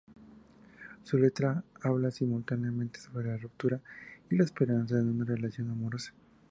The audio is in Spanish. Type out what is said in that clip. Su letra habla simultáneamente sobre la ruptura y la esperanza en una relación amorosa.